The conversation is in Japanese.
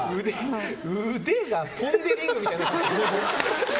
腕がポン・デ・リングみたいになってる。